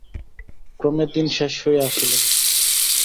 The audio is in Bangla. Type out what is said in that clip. ক্রমে দিন শেষ হইয়া আসিল।